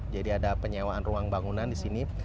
jadi ada penyewaan ruang bangunan di sini